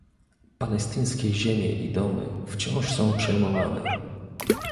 Palestyńskie ziemie i domy wciąż są przejmowane